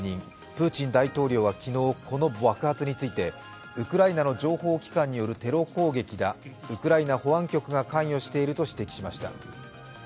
プーチン大統領は昨日この爆発についてウクライナの情報機関によるテロ攻撃だ、ウクライナ保安局が関与していると指摘しました。